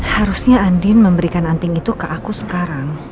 harusnya andin memberikan antin itu ke aku sekarang